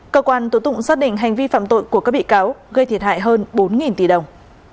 cơ quan tố tụng xác định hành vi phạm tội của các bị cáo gây thiệt hại hơn bốn tỷ đồng